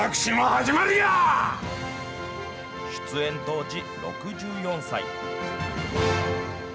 出演当時６４歳。